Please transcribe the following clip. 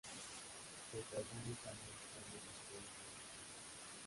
Pese a algunos daños, la iglesia sobrevivió al incendio.